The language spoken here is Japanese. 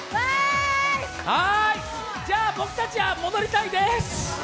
じゃ、僕たちは戻りたいです！